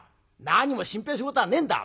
何も心配することはねえんだ。